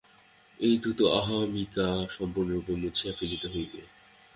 এই ধূর্ত অহমিকা সম্পূর্ণরূপে মুছিয়া ফেলিতে হইবে।